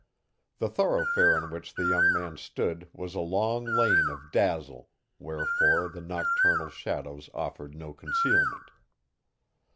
The thoroughfare on which the young man stood was a long lane of dazzle, wherefore the nocturnal shadows offered no concealment.